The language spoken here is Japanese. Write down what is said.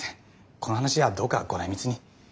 この話はどうかご内密に。